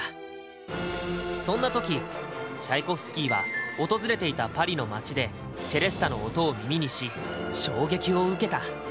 そんな時チャイコフスキーは訪れていたパリの街でチェレスタの音を耳にし衝撃を受けた。